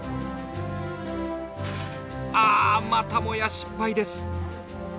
ああまたもや失敗です。